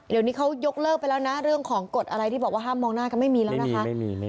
เดี๋ยวนี้เขายกเลิกไปแล้วนะเรื่องของกฎอะไรที่บอกว่าห้ามมองหน้ากันไม่มีแล้วนะคะ